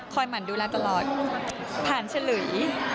คอยหมั่นดูแลตลอดผ่านชะหรือ